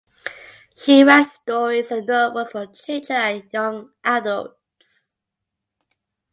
She writes stories and novels for children and young adults.